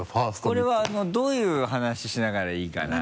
これはあのどういう話しながらがいいかな？